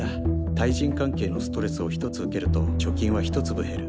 対人関係のストレスを１つ受けると貯金は１粒減る。